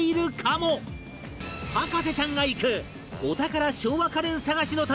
博士ちゃんが行くお宝昭和家電探しの旅